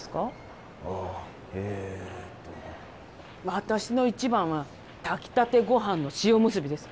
私の一番は炊きたてごはんの塩むすびです。